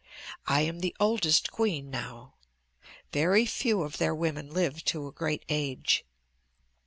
I am the oldest queen now. Very few of their women live to a great age.